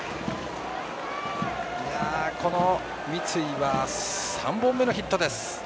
この三井は３本目のヒット。